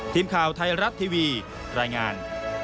ทีมข่าวไทยรัฐทีวีรายงาน